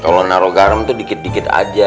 kalau naro garam tuh dikit dikit aja